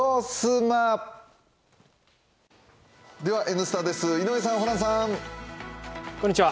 「Ｎスタ」です井上さん、ホランさん。